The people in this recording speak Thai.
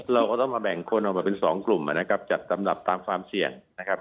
เราก็ต้องมาแบ่งคนออกมาเป็น๒กลุ่มจัดสำนับตามความเสี่ยง